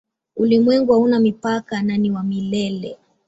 Ulimwengu hauna mipaka na ni wa milele.